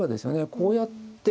こうやって。